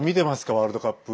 ワールドカップ。